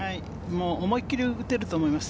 思い切り打てると思います。